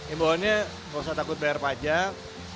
imbauannya nggak usah takut bayar pajak